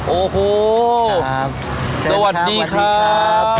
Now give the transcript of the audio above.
โอ้โฮสวัสดีครับสวัสดีครับสวัสดีครับ